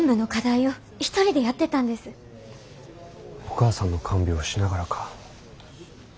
お母さんの看病をしながらか。